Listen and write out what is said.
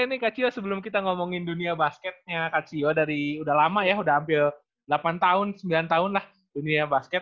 oke ini kak cio sebelum kita ngomongin dunia basketnya kak cio dari udah lama ya udah hampir delapan tahun sembilan tahun lah dunia basket